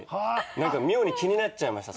なんか妙に気になっちゃいました